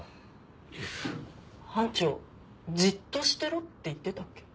班長じっとしてろって言ってたっけ？